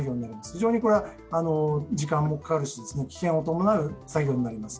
非常に時間もかかるし、危険も伴う作業になります。